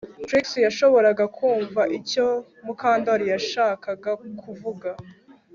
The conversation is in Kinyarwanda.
Trix yashoboraga kumva icyo Mukandoli yashakaga kuvuga